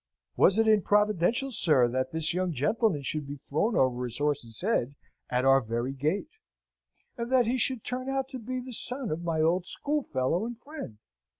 "Wasn't it providential, sir, that this young gentleman should be thrown over his horse's head at our very gate, and that he should turn out to be the son of my old schoolfellow and friend?"